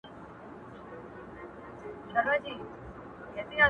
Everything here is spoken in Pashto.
دا د عرش د خدای کرم دی، دا د عرش مهرباني ده,